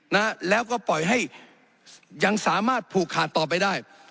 นะแล้วก็ปล่อยให้ยังสามารถผูกขาดต่อไปได้